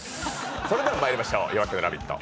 それではまいりましょう「夜明けのラヴィット！」